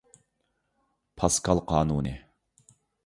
پاسكال قانۇنى